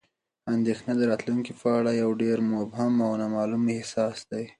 اندېښنه د راتلونکي په اړه یو ډېر مبهم او نامعلوم احساس دی.